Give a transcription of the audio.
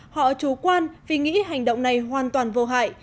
họ chủ quan vì nghĩ hành động này hoàn toàn vô hại